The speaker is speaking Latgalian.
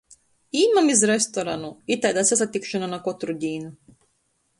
Īmam iz restoranu — itaida sasatikšona na kotru dīn!